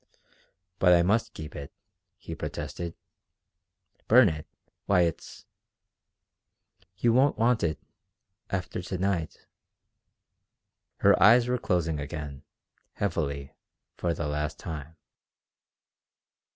"But I must keep it," he protested. "Burn it! Why it's...." "You won't want it after to night." Her eyes were closing again, heavily, for the last time.